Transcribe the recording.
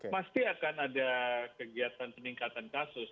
pasti akan ada kegiatan peningkatan kasus